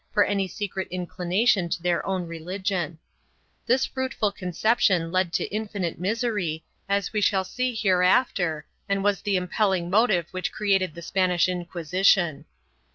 For 42 THE JEWS AND THE MOOES [BOOK I fruitful conception led to infinite misery, as we shall see here after, and was the impelling motive which created the Spanish Inquisition.